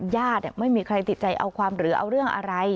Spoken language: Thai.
ญาติไม่มีใครติดใจเอาความหรือเอาเรื่องอะไร